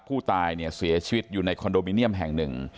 ผู้ตายเนี่ยเสียชีวิตอยู่ในคอนโดมิเนียมแห่งหนึ่ง